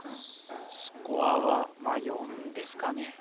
スコアはまあ４ですかね。